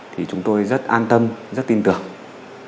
thì chúng tôi rất an tâm rất tin tưởng